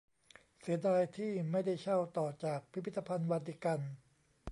เสียดายที่ไม่ได้เช่า ต่อจากพิพิธภัณฑ์วาติกัน